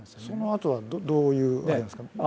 そのあとはどういうあれなんですか？